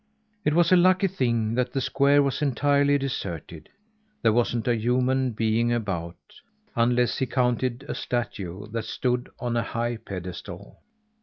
It was a lucky thing that the square was entirely deserted. There wasn't a human being about unless he counted a statue that stood on a high pedestal.